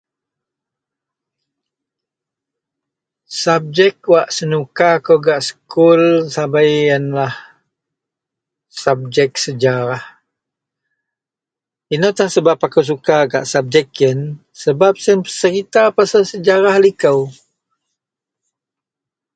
Sabjek wak senuka kou gak sekul sabei yenlah sabjek sejarah. Inou tan sebab akou suka gak sabjek yen sebab siyen peserita pasel sejarah likou.